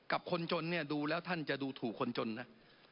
คนจนเนี่ยดูแล้วท่านจะดูถูกคนจนนะ